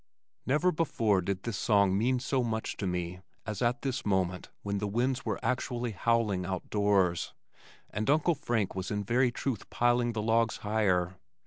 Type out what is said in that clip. Never before did this song mean so much to me as at this moment when the winds were actually howling outdoors, and Uncle Frank was in very truth piling the logs higher.